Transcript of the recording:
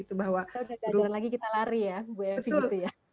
kita udah jangan lagi kita lari ya bu efi